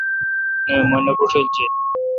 نہ مہ نہ بوݭلجیت۔